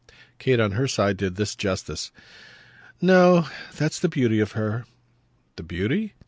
Kate on her side did this justice. "No that's the beauty of her." "The beauty